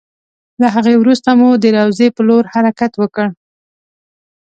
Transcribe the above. له هغې وروسته مو د روضې په لور حرکت وکړ.